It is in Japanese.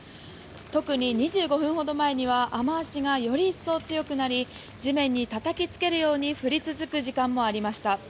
特に２５分前には雨脚がより一層強くなり地面にたたきつけるように降り続く時間もありました。